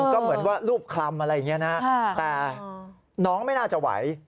ก็เหมือนว่ารูปคลำอะไรอย่างนี้นะแต่น้องไม่น่าจะไหว